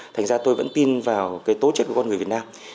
thành ra tôi vẫn tin vào cái tố chất của con người việt nam